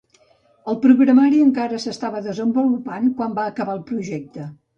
El programari encara s'estava desenvolupant quan va acabar el projecte.